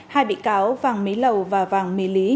hai bị cáo vàng mí lầu và vàng mí lý